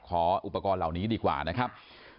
ขออุปกรณ์เหล่านี้ดีกว่านะครับ